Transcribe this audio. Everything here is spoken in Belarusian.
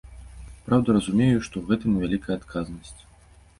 Праўда, разумею, што ў гэтым і вялікая адказнасць.